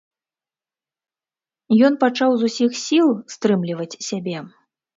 Ён пачаў з усіх сіл стрымліваць сябе.